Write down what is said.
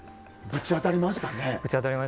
ぶち当たりましたね。